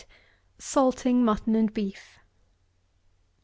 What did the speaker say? SALTING MUTTON AND BEEF.